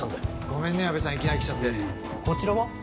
ごめんね矢部さんいきなり来ちゃってこちらは？